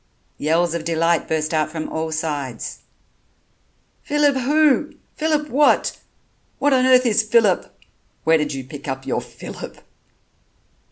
Yells of delight burst out from all sides. "Phillip who? ... Phillip what? What on earth is Phillip? Where did you pick up your Phillip?"